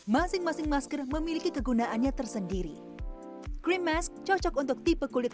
masing masing masker memiliki kegunaannya tersendiri cream mask cocok untuk tipe kulit